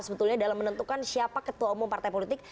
sebetulnya dalam menentukan siapa ketua umum partai politik